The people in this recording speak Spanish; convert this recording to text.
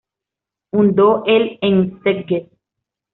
Fundó el en Szeged.